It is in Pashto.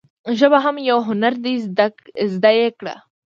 ژبه هم یو هنر دي زده یی کړه.